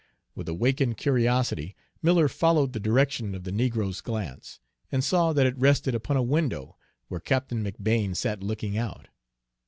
With awakened curiosity Miller followed the direction of the negro's glance, and saw that it rested upon a window where Captain McBane sat looking out.